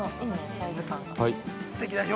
サイズ感が。